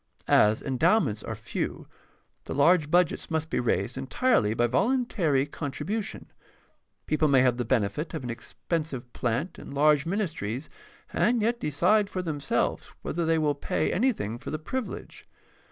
As endowments are few, the large budgets must be raised entirely by voluntary con tribution. People may have the benefit of an expensive plant and large ministries, and yet decide for themselves whether they will pay anythmg for the privilege.